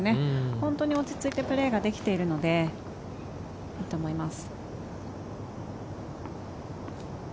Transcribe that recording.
本当に落ち着いてプレーができているのでいいと思います。